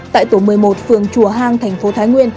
tại tổ một mươi một phường chùa hang thành phố thái nguyên